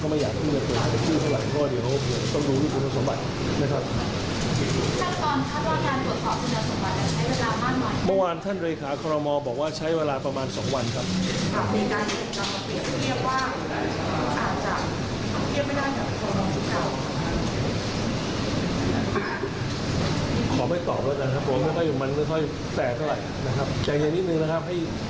เมื่อวานท่านเลขาคอรมอลบอกว่าใช้เวลาประมาณ๒วันครับ